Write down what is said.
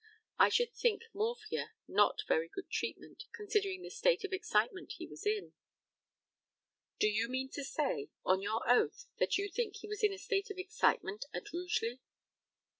I should think morphia not very good treatment, considering the state of excitement he was in. Do you mean to say, on your oath, that you think he was in a state of excitement at Rugeley?